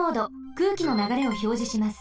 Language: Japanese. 空気のながれをひょうじします。